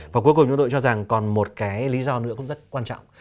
và cuối cùng chúng tôi cho rằng còn một cái lý do nữa cũng rất quan trọng